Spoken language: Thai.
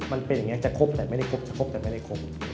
มันเป็นอย่างนี้จะครบแต่ไม่ได้ครบจะครบแต่ไม่ได้ครบ